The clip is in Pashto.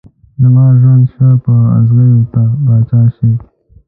زما ژوند شه په اغزيو ته پاچا شې